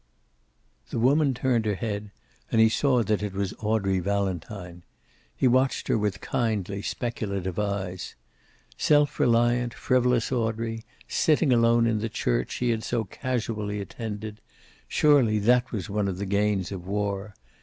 The woman turned her head, and he saw that it was Audrey Valentine. He watched her with kindly, speculative eyes. Self reliant, frivolous Audrey, sitting alone in the church she had so casually attended surely that was one of the gains of war.